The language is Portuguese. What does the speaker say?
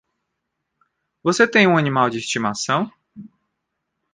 Você tem um animal de estimação?